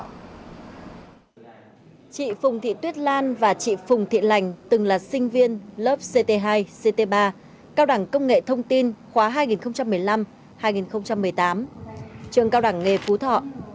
chị phùng thị tuyết lan và chị phùng thị lành từng là sinh viên lớp ct hai ct ba cao đẳng công nghệ thông tin khóa hai nghìn một mươi năm hai nghìn một mươi tám trường cao đẳng nghề phú thọ